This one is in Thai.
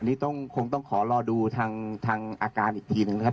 อันนี้ต้องคงต้องขอรอดูทางอาการอีกทีหนึ่งนะครับ